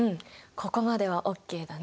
ここまではＯＫだね。